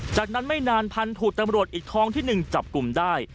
จากนั้นไม่นานพันธุตรรมรวชอีกท้องที่หนึ่งจับกลุ่มได้